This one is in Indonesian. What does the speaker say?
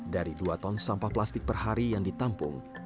dari dua ton sampah plastik per hari yang ditampung